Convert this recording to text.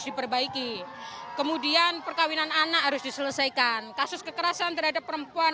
diperbaiki kemudian perkawinan anak harus diselesaikan kasus kekerasan terhadap perempuan